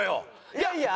いやいや。